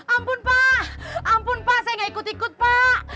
ampun pak ampun pak saya gak ikut ikut pak